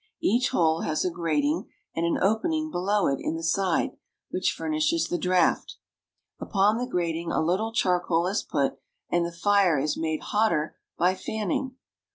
Each hole has a grating and an opening below it in the side, which furnishes the draft. Upon the grating a little charcoal is put, and the fire is made hotter by fanning.